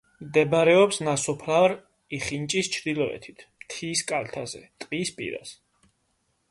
მდებარეობს ნასოფლარ იხინჭის ჩრდილოეთით, მთის კალთაზე, ტყის პირას.